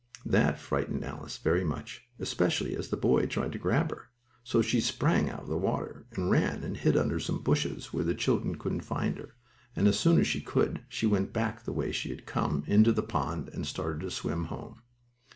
That frightened Alice very much, especially as the boy tried to grab her. So she sprang out of the water and ran and hid under some bushes where the children couldn't find her, and as soon as she could, she went back the way she had come, into the pond, and started to swim home.